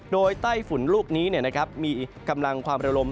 โดยไต้ฝุ่นลูกนี้มีกำลังความระลม